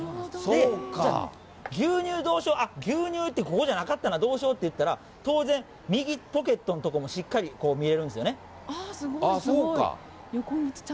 牛乳どうしよう、あっ、牛乳ってここじゃなかったな、どうしようっていったら、当然、右ポケットの所も、しっかり見えるんですよああ、そうか。